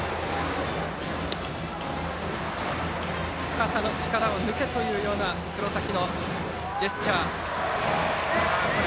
肩の力を抜けというような黒崎のジェスチャーがありました。